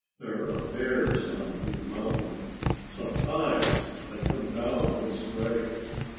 "There are bears on Blue Mountain. Sometimes they come down this way.